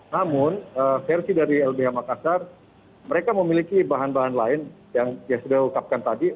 namun versi dari lbh makassar mereka memiliki bahan bahan lain yang sudah ungkapkan tadi